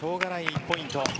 １ポイント。